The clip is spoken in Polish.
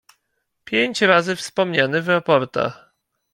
"Pięć razy wspomniany w raportach“."